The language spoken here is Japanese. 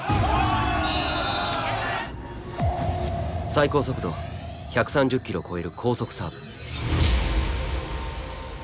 最高速度１３０キロを超える高速サーブ。